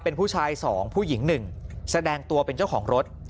เป็นผู้ชาย๒ผู้หญิง๑แสดงตัวเป็นเจ้าของรถ